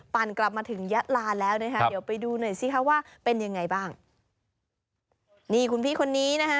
กลับมาถึงยะลาแล้วนะคะเดี๋ยวไปดูหน่อยสิคะว่าเป็นยังไงบ้างนี่คุณพี่คนนี้นะฮะ